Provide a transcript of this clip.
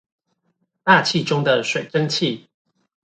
大氣中的水蒸氣